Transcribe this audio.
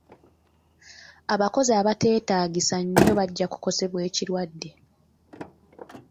Abakozi abatetaagisa nnyo bajja kukosebwa ekirwadde.